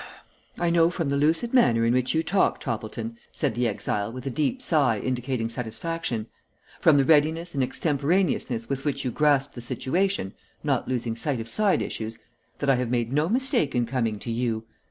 "I know from the lucid manner in which you talk, Toppleton," said the exile, with a deep sigh indicating satisfaction, "from the readiness and extemporaneousness with which you grasp the situation, not losing sight of side issues, that I have made no mistake in coming to you.